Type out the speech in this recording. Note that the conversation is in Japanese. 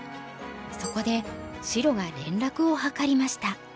そこで白が連絡を図りました。